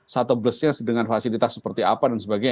satu busnya dengan fasilitas seperti apa dan sebagainya